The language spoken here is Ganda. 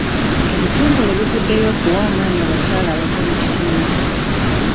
Ebitongole bivuddeyo okuwa amaanyi abakyala abato mu kitundu.